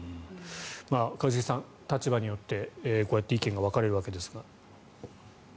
一茂さん、立場によってこうやって意見が分かれるわけですが。